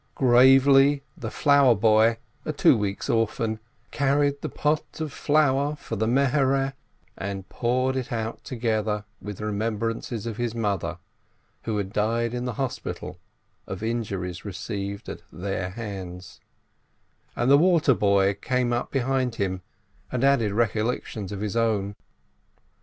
Gravely, the flour boy, a two weeks' orphan, carried the pot of flour for the Mehereh, and poured it out together with remembrances of his mother, who had died in the hospital of injuries received at their hands, and the water boy came up behind him, and added recollections of his own.